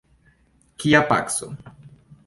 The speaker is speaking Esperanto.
Kia paco?